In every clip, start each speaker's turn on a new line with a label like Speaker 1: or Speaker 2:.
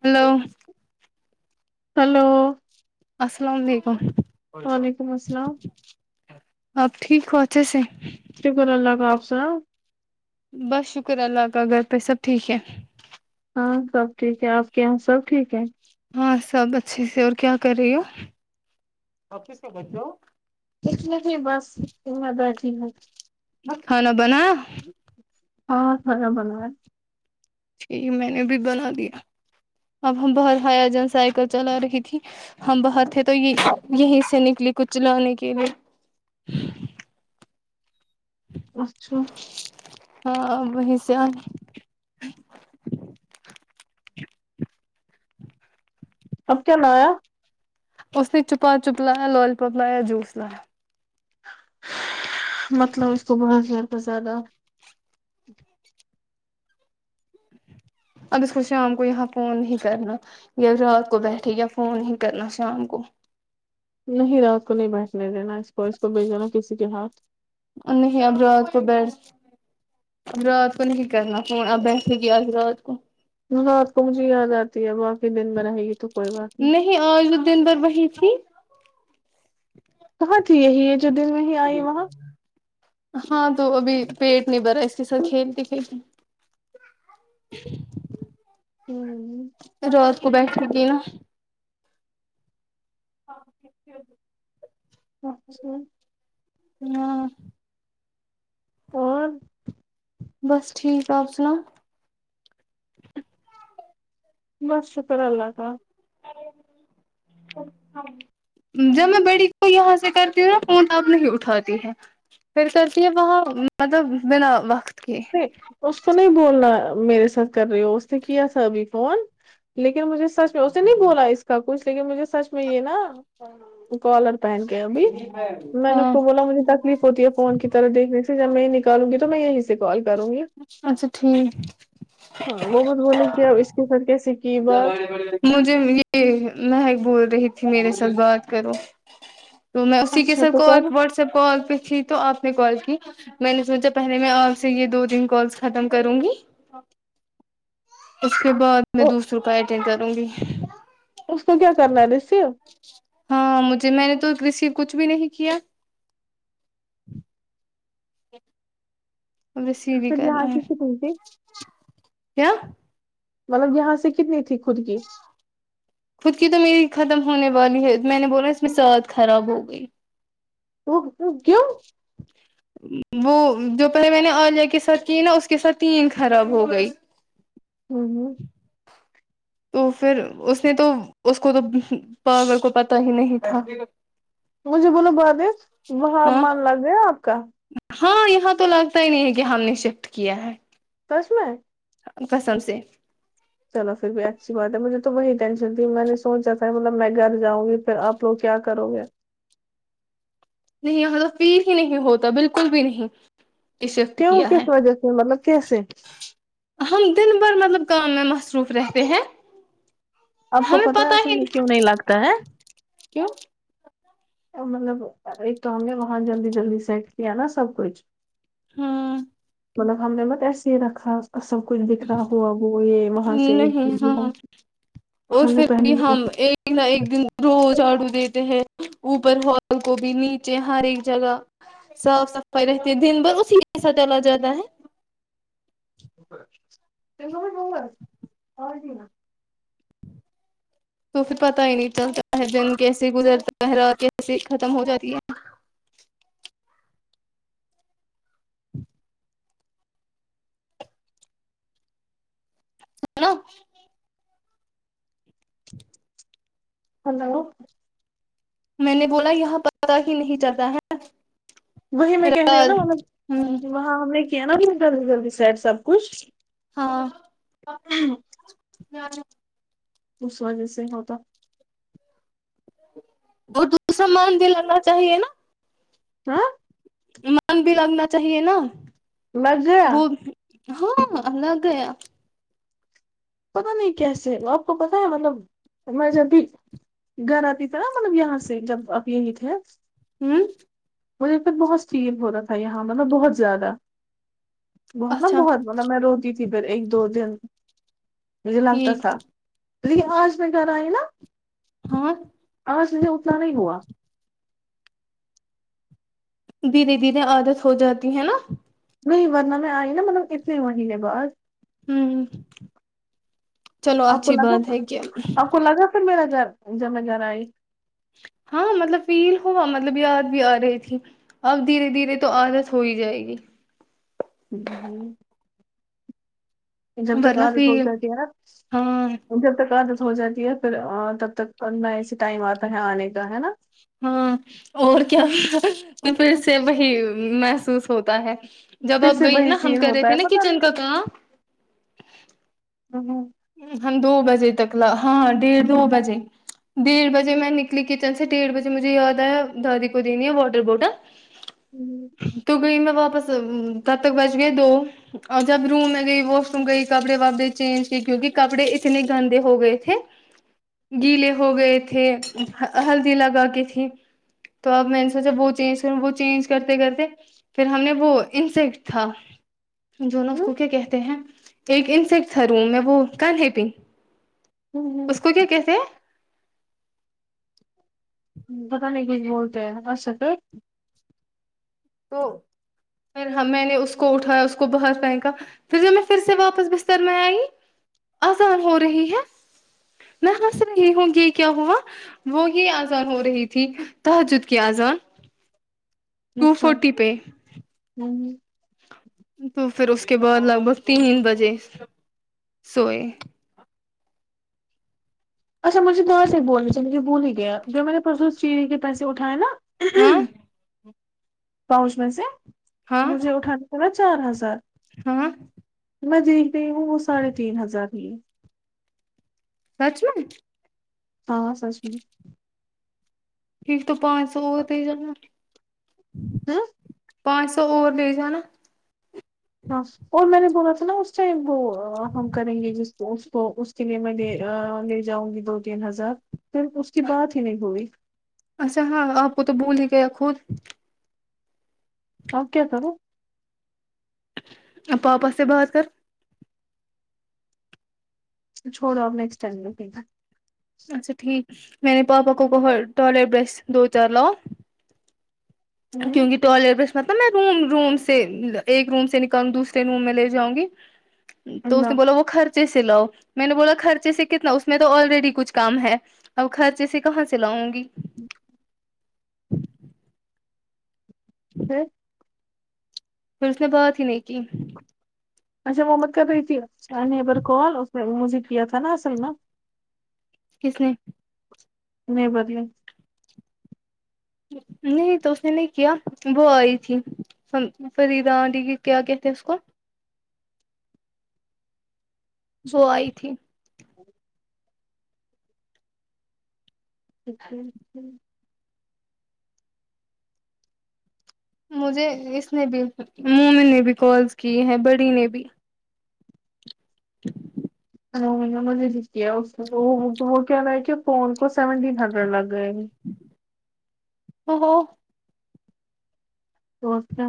Speaker 1: hello
Speaker 2: hello
Speaker 1: السلام علیکم
Speaker 2: وعلیکم السلام
Speaker 1: آپ ٹھیک ہو اچھے سے
Speaker 2: شکر اللہ کا آپ سناؤ
Speaker 1: بس شکر اللہ کا گھر پے سب ٹھیک ہے
Speaker 2: ہاں سب ٹھیک ہے آپ کے یہاں سب ٹھیک ہے
Speaker 1: ہاں سب اچھے سے اور کیا کر رہی ہو
Speaker 2: کچھ نہیں بس میں بیٹھی ہ
Speaker 1: کھانا بنایا
Speaker 2: اور کھانا بنوائے
Speaker 1: ج میں نے بھی بنا دیا اب ہم باہر حیا جن سائیکل چلا رہی تھی ہم باہر تھے تو یہ یہیں سے نکلی کچھ لانے کے لیے
Speaker 2: اچھا
Speaker 1: ہاں وہ ہی سے آئی
Speaker 2: اب کیا لایا
Speaker 1: اس نے چپا چپ لایا لولی پاپ لایا جوس لایا
Speaker 2: مطلب اس کو بہت زیادہ زیادہ
Speaker 1: اب اس کو شام کو یہاں فون نہیں کرنا یا رات کو بیٹھے یا فون نہیں کرنا شام کو
Speaker 2: نہیں رات کو نہیں بیٹھنے دینا اس کو اس کو بھیجینا کسی کے ہاتھ
Speaker 1: ا نہیں اب رات کو بیٹھ رات کو نہیں کرنا فون اب بیٹھے گی آج رات کو
Speaker 2: رات کو مجھے یاد آتی ہے اب واقی دن میں رہے گی تو کوئی بات نہیں
Speaker 1: آج بھی دن بھر وہی تھی
Speaker 2: ہاں تھی یہی ہے جو دن میں آئی وہاں
Speaker 1: ہاں تو ابھی پیٹ نہیں بھرا اس کے ساتھ کھیلتی کھیلتی
Speaker 2: ہوں،
Speaker 1: رات کو بیٹھنے کی نا [inaudible]
Speaker 2: اچھا
Speaker 1: ہاں
Speaker 2: اور
Speaker 1: بس ٹھیک آپ سناو
Speaker 2: بس شکر اللہ کا
Speaker 1: [inaudible] جب میں بڑی کو یہاں سے کرتی ہوں نا فون تب نہیں اٹھاتی ہے پھر کرتی ہے وہاں مطلب بنا وقت کے
Speaker 2: اس کو نہیں بولنا میرے ساتھ کر رہی ہو اس نے کیا تھا ابھی فون لیکن مجھے سچ میں اسے نہیں بولا اس کا کچھ لیکن مجھے سچ میں یہ نا کالر پہن کے ابھی میں نے اس
Speaker 1: ہاں
Speaker 2: کو بولا مجھے تکلیف ہوتی ہے فون کی طرح دیکھنے سے پھر جب میں نکالوں گی تو میں یہیں سے کال کروں گی
Speaker 1: اچھا ٹھیک
Speaker 2: ہاں وہ بت بولے کہ اس کے سر کی س
Speaker 1: مجھے یہ مہک بول رہی تھی میرے ساتھ بات کرو تو میں اسی کے
Speaker 2: اچھا
Speaker 1: ساتھ
Speaker 2: تو
Speaker 1: کال
Speaker 2: کر
Speaker 1: واٹسپ کال پہ تھی تو آپ نے کال کی میں نے سوچا پہلے میں آپ سے یہ دو تین کالس ختم کروں گی اس کے بعد میں دوسروں کا اٹینڈ کروں گی
Speaker 2: اس کو کیا کرنا ریسیو
Speaker 1: ہاں مجھے میں نے تو ریسیو کچھ بھی نہیں کیا رسیو ہی
Speaker 2: پھر
Speaker 1: کرنا
Speaker 2: یہاں
Speaker 1: ہے
Speaker 2: کی کتنی تھی
Speaker 1: کیا
Speaker 2: مطلب یہاں سے کتنی تھی خود کی
Speaker 1: خود کی تو میری ختم ہونے والی ہے میں نے بولا اس میں سعد خراب ہو گئی
Speaker 2: کیوں
Speaker 1: وہ جو پہلے میں نے عالیہ کے ساتھ کی نا اس کے ساتھ تین خراب ہو گئی
Speaker 2: ہوں ہوں
Speaker 1: تو پھر اس نے تو اس کو تو ہ پاگل کو پتا ہی نہیں تھا
Speaker 2: مجھے بولا بہد وہاں
Speaker 1: ہاں
Speaker 2: من لگ گیا آپ کا
Speaker 1: ہاں یہاں تو لگتا ہی نہیں ہے کہ ہم نے شفٹ کیا ہے
Speaker 2: سچ میں
Speaker 1: قسم سے
Speaker 2: چلو پھر بھی اچھی بات ہے مجھے تو وہی ٹینشن تھی میں نے سوچا تھا مطلب میں گھر جاؤں گی پھر آپ تو کیا کرو گے
Speaker 1: نہیں یہاں تو فیل ہی نہیں ہوتا بالکل بھی نہیں کہ شفٹ
Speaker 2: کیوں
Speaker 1: کیا
Speaker 2: کس
Speaker 1: ہے
Speaker 2: وجہ سے مطلب کیسے
Speaker 1: ہم دن بھر مطلب کام میں مصروف رہتے ہیں
Speaker 2: آپ کو پتہ ہے اصل میں کیوں نہیں لگتا ہے
Speaker 1: کیوں
Speaker 2: مطلب ایک تو ہم نے وہاں جلدی جلدی سیٹ کیا نا سب کچھ
Speaker 1: ہوں
Speaker 2: مطلب ہم نے مت ایسے رکھا سب کچھ بکھرا ہوا وہ یہ وہاں سے
Speaker 1: نہیں ہاں اور
Speaker 2: ہم نے
Speaker 1: پھر بھی
Speaker 2: پہلے
Speaker 1: ہم ایک نہ ایک دن روز جھاڑو دیتے ہیں اوپر ہال کو بھی نیچے ہر ایک جگہ صاف صفائی رہتی ہے دن بھر اسی میں ایسا چلا جاتا ہے
Speaker 2: اور
Speaker 1: تو پھر پتا ہی نہیں چلتا ہے دن کیسے گزرتا رات کیسے ختم ہو جاتی ہے ہلو
Speaker 2: ہلو
Speaker 1: میں نے بولا یہاں پتا ہی نہیں چلتا ہے
Speaker 2: وہی میں کہہ رہی ہوں نا
Speaker 1: رات ہوں
Speaker 2: مطلب وہاں ہم نے کیا نا جلدی جلدی سیٹ سب کچھ
Speaker 1: ہاں
Speaker 2: اس وجہ ہوتا
Speaker 1: وہ دو سامان دلانا چاہیے نا
Speaker 2: ہاں
Speaker 1: من بھی لگنا چاہیے نا
Speaker 2: لگ گیا
Speaker 1: وہ ہاں لگ گیا
Speaker 2: پتا نہیں کیسے آپ کو پتا ہے مطلب میں جب بھی گھر آتی تھا نا مطلب یہاں سے جب آپ یہی تھے
Speaker 1: ہوں
Speaker 2: مجھے پر بہت فیل ہو رہا تھا یہاں مطلب بہت زیادہ بہت نا
Speaker 1: اچھا
Speaker 2: بہت مطلب میں روتی تھی پھر ایک دو دن مجھے لگتا
Speaker 1: ٹھیک
Speaker 2: تھا لیکن آج میں گھر آئی نا
Speaker 1: ہاں
Speaker 2: آج صبح اٹھنا نہیں ہوا
Speaker 1: دھیرے دھیرے عادت ہو جاتی ہے نا
Speaker 2: نہیں ورنہ میں آئی نا مطلب اتنے مہینے بعد
Speaker 1: ہوں
Speaker 2: آپ کو لگا
Speaker 1: کہ
Speaker 2: آپ کو لگا پھر میرا گھر جب میں گھر آئی
Speaker 1: ہاں مطلب فیل ہوا مطلب یاد بھی آ رہی تھی اب دھیرے دھیرے تو عادت ہو ہی جائے گی
Speaker 2: جب تک
Speaker 1: ورنہ
Speaker 2: عادت ہو
Speaker 1: فیل
Speaker 2: گیا ارا
Speaker 1: ہاں
Speaker 2: جب تک عادت ہو جاتی ہے پھر تب تک میں ایسے ٹائم آتا ہے آنے کا ہے ناں
Speaker 1: ہاں اور کیا ہو پھر سے محسوس ہوتا ہے جب
Speaker 2: پھر
Speaker 1: آپ
Speaker 2: سے
Speaker 1: گئی
Speaker 2: وہی
Speaker 1: ناں ہم
Speaker 2: سین
Speaker 1: کر رہے
Speaker 2: ہوتا
Speaker 1: تھے
Speaker 2: ہے
Speaker 1: ناں
Speaker 2: پتا
Speaker 1: کچن کا کام
Speaker 2: ہوں
Speaker 1: ہم دو بجے تک لا ہاں ڈیھ دو بجے ڈیڑھ بجے میں نکلی کچن سے ڈیڑھ بجے مجھے یاد آیا دادی کو دینی ہے واٹر بوٹل [inaudible]
Speaker 2: ہوں
Speaker 1: تو گئی میں واپس تب تک بچ گئے دو اور جب روم میں گئی واش روم گئی کپڑے وپڑے چینج کیونکہ کپڑے اتنے گندے ہو گئے تھے گیلے ہو گئے تھے ہلدی لگا کے تھی تو اب میں نے سوچا وہ چینج کر وہ چینج کرتے کرتے پھر ہم نے وہ انسیکٹ تھا جو ناں اس کو کیا کہتے ہیں ایک انسیکٹ تھا روم میں وہ کن ہے پنگ اس کو کیا کہتے ہیں
Speaker 2: پتہ نہیں کچھ بولتے ہیں
Speaker 1: تو پھر میں نے اس کو اٹھایا اس کو باہر پہنکا پھر جو میں پھر سے واپس بستر میں آئی آزان ہو رہی ہے میں ہنس رہی ہوں کی کیا ہوا وہی آزان ہو رہی تھی تہجد کی آزان ٹو
Speaker 2: اچھا
Speaker 1: فورٹی پہ
Speaker 2: ہوں
Speaker 1: تو پھر اس کے بعد لگ بھگ تین بجے سوئے
Speaker 2: اچھا مجھے دوس ایک بولنے تھے مجھے بول ہی گیا جو میں نے پرسوں چینی کے پیسے اٹھائے ناں
Speaker 1: ہاں
Speaker 2: پاؤنچ میں سے
Speaker 1: ہاں
Speaker 2: مجھے اٹھانا پڑا چار ہزار
Speaker 1: ہاں
Speaker 2: میں دیکھ رہی ہوں وہ ساڑھے تین ہزار ہی
Speaker 1: سچ میں
Speaker 2: ہاں سچ میں
Speaker 1: ٹھیک تو پانچ سو ہوتے جا
Speaker 2: ہوں
Speaker 1: پانچ سو اور لے جانا
Speaker 2: ہاں اور میں نے بولا تھا نا اس ٹائم وہ ہم کریں گے جس کو کو میں لے لے جاؤں گی دو تین ہزار پھر اس کی بات ہی نہیں ہوئی
Speaker 1: اچھا ہاں آپ کو تو بول ہی گیا خود
Speaker 2: اوکے سر
Speaker 1: پاپا سے بات کر
Speaker 2: چھوڑو آپ نیکسٹ ٹائم رکے گے
Speaker 1: اچھا ٹھیک میں نے پاپا کو ٹوائلٹ برش دو چار لاؤ کیونکہ ٹوائلیٹ برش مطلب میں روم روم سے ایک روم سے نکالوں دوسرے روم میں لے جاؤں گی تو اس نے بولا وہ خرچ خرچے سے لاؤ میں نے بولا خرچے سے کتنا اس میں تو آلریڈی کچھ کم ہے اور خرچے سے کہاں سے لاؤں گی
Speaker 2: جی پھر
Speaker 1: پھر اس نے بات ہی نہیں کی
Speaker 2: اچا وہ میں کررہی تھی نیبر کال اس نے مجھے کیا تھا ناں اصل میں
Speaker 1: کس نے
Speaker 2: نہیں بدلے
Speaker 1: نہیں تو اس نے نہیں کیا وہ آئی تھی فر فریدا آنٹی کہ کیا کہتے ہیں اس کو وہ آئی تھی
Speaker 2: [unintelligible]
Speaker 1: مجھے اس نے بھی مومن نے بھی کالز کی ہے بڑی نے بھی [inaudible]
Speaker 2: انہوں نے مجھے لکھ کیا وہ کہہ رہے کہ فون کو سیونٹین ہزار لگ گئے
Speaker 1: اوہو
Speaker 2: تو اس کا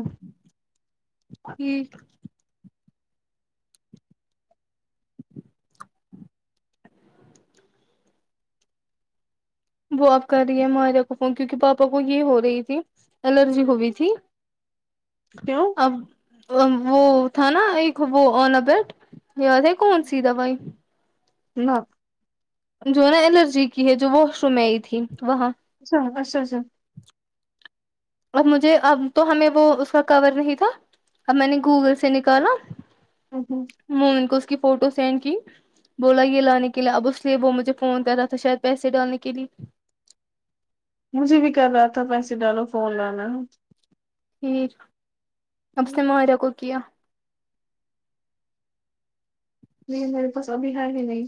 Speaker 1: ٹھیک وہ آپ کر رہی ہیں ماءرہ کو فون کیونکہ پاپا کو یہ ہو رہی تھی الرجی ہوگی تھی
Speaker 2: کیوں
Speaker 1: ا وہ وہ تھا نا ایک وہ الا بیرٹ یاد ہے کون سی دوائی
Speaker 2: نہ
Speaker 1: جو ہے نا الرجی کی ہے جو واش روم میں آئی تھی وہاں
Speaker 2: اچھا اچھا اچھا
Speaker 1: اب مجھے اب تو ہمیں وہ اس کا کور نہیں تھا اب میں نے گوگل سے نکالا
Speaker 2: ہ ہوں
Speaker 1: میں ان کو اس کی فوٹو سینڈ کی بولا یہ لانے کے لیے اب اس لیے وہ مجھے فون کر رہا تھا شاید پیسے ڈالنے کے لیے
Speaker 2: مجھے بھی کر رہا تھا پیسے ڈالو فون لانا
Speaker 1: ٹھیک اب اس نے مائرہ کو کیا
Speaker 2: نہیں میرے پاس ابھی ہے ہی نہیں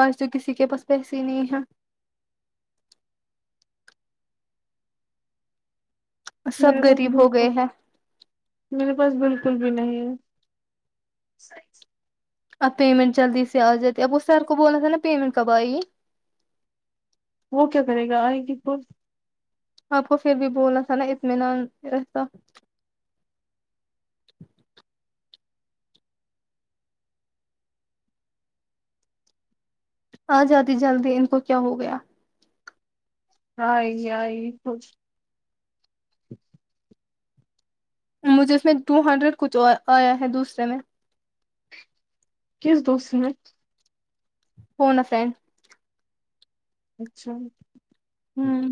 Speaker 1: آج تو کسی کے پاس پیسے ہی نہیں یہا
Speaker 2: میرے
Speaker 1: سب
Speaker 2: پاس
Speaker 1: غریب
Speaker 2: بول
Speaker 1: ہو
Speaker 2: پ
Speaker 1: گئے ہیں
Speaker 2: میرے پاس بالکل بھی نہیں ہے
Speaker 1: اب پیمنٹ جلدی سے آ جاتی ہے اب وہ سر کو بولنا تھا نا پیمنٹ کب آئی گی
Speaker 2: وہ کیا کرے گا آئے گی کو
Speaker 1: آپ کو پھر بھی بولنا تھا نا اطمینان سے ایسا آ جاتی جدی جلدی ان کو کیا ہو گیا
Speaker 2: ہائی ہائی یو
Speaker 1: مجھے اس میں ٹو ہنڈریڈ کچھ آیا ہے دوسرے میں
Speaker 2: کس دو سی میں
Speaker 1: فونا فان
Speaker 2: اچھا
Speaker 1: ہوں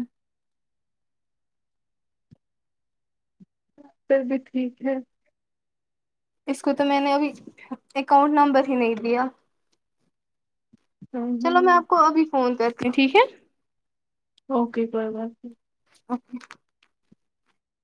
Speaker 2: پھر بھی ٹھیک ہے
Speaker 1: اس کو تو میں نے ابھی اکاؤنٹ نمبر ہی نہیں دییا
Speaker 2: ہم-
Speaker 1: چلو میں
Speaker 2: ہم-
Speaker 1: آپ کو ابھی فون کرتی ہوں ٹھیک ہے
Speaker 2: اوکے کوئی بات نہیں
Speaker 1: اچھا